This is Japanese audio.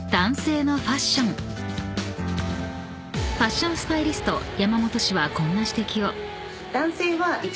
［ファッションスタイリスト山本氏はこんな指摘を］